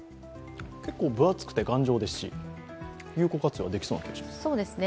欠航分厚くて頑丈ですし有効活用できそうな気がしますね。